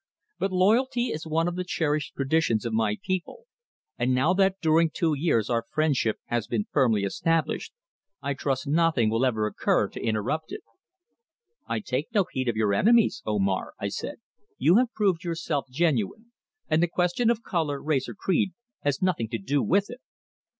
But loyalty is one of the cherished traditions of my people, and now that during two years our friendship has been firmly established I trust nothing will ever occur to interrupt it." "I take no heed of your enemies, Omar," I said. "You have proved yourself genuine, and the question of colour, race, or creed has nothing to do with it."